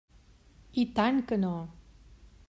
I tant que no!